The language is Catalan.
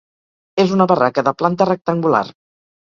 És una barraca de planta rectangular.